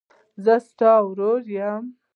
زه ستا ورور یم.